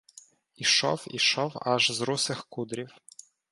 Ішов, ішов, аж з русих кудрів